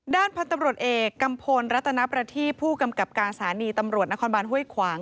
ด้านพันธุ์ตำรวจเอกกัมพลรัตนประทีผู้กำกับการสถานีตำรวจนครบานห้วยขวาง